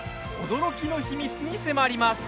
驚きの秘密に迫ります！